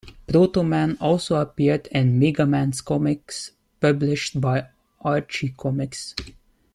Proto Man also appeared in "Mega Man"s comics published by Archie Comics.